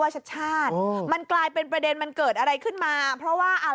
ชัดชาติมันกลายเป็นประเด็นมันเกิดอะไรขึ้นมาเพราะว่าอ่า